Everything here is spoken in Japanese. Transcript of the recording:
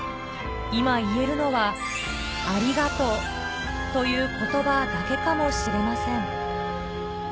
今、言えるのはありがとうということばだけかもしれません。